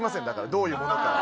どういうものかは。